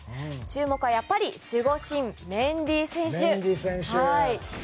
注目はやっぱり守護神メンディ選手。